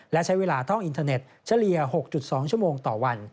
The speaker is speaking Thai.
และใช้เวลาท่องอินเทอร์เน็ตเฉลี่ย๖๒ชั่วโมงต่อวัน